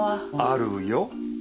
あるよ。